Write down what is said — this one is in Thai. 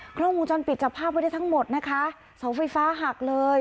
กล้องวงจรปิดจับภาพไว้ได้ทั้งหมดนะคะเสาไฟฟ้าหักเลย